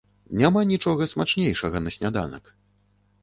Няма нічога смачнейшага на сняданак.